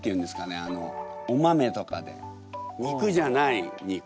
あのお豆とかで肉じゃない肉。